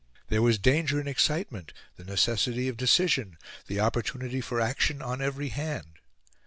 There was danger and excitement, the necessity of decision, the opportunity for action, on every hand.